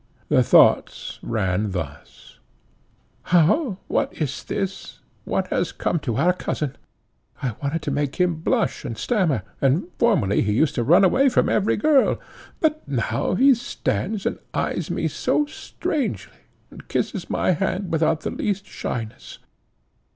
The thoughts ran thus; "How! what is this? what has come to our cousin? I wanted to make him blush and stammer, and formerly he used to run away from every girl; but now he stands and eyes me so strangely, and kisses my hand without the least shyness.